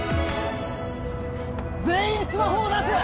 全員スマホを出せ！